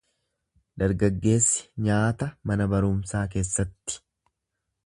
Dargaggeessi nyaata mana barumsaa keessatti.